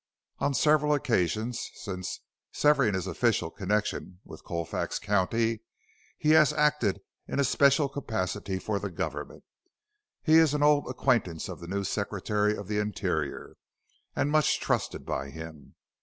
On several occasions since severing his official connection with Colfax County he has acted in a special capacity for the government. He is an old acquaintance of the new Secretary of the Interior and much trusted by him.